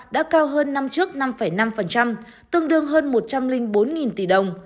đã cao hơn năm trước năm năm tương đương hơn một trăm linh bốn tỷ đồng